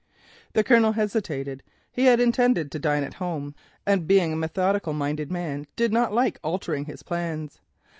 The Colonel hesitated. He had intended to dine at home, and being a methodical minded man did not like altering his plans.